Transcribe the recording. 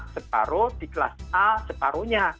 separoh di kelas a separohnya